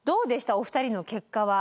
お二人の結果は。